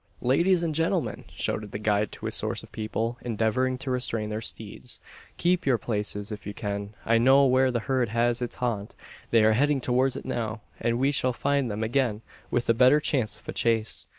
"Ladies and gentlemen!" shouted the guide to a score of people, endeavouring to restrain their steeds; "keep your places, if you can. I know where the herd has its haunt. They are heading towards it now; and we shall find them again, with a better chance of a chase.